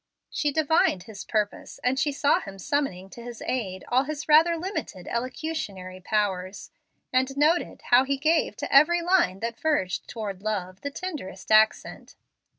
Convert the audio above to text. She divined his purpose as she saw him summoning to his aid all his rather limited elocutionary powers, and noted how he gave to every line that verged toward love the tenderest accent.